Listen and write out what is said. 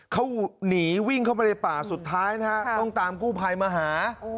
เขาหนีวิ่งเข้ามาในป่าสุดท้ายนะฮะต้องตามกู้ภัยมาหา